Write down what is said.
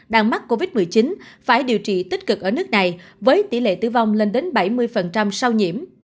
đang mắc covid một mươi chín phải điều trị tích cực ở nước này với tỷ lệ tử vong lên đến bảy mươi sau nhiễm